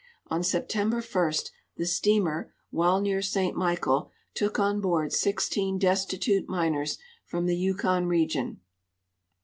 On September 1 the steamer, while near St. Michael, took on board 16 desti tute miners from the Yukon region.